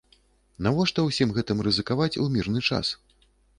Навошта ўсім гэтым рызыкаваць у мірны час?